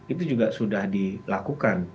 itu juga sudah dilakukan